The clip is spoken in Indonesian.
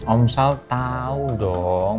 om sal tahu dong